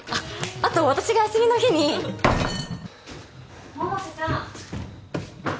あと私が休みの日に百瀬さん